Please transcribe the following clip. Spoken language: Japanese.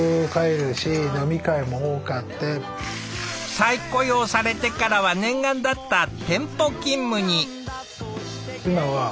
再雇用されてからは念願だった店舗勤務に。